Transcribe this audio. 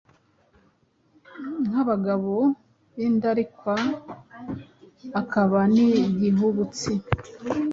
nk’abagabo b’indarikwa, akaba n’igihubutsi.